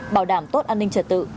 bảo đảm tốt an ninh trật tự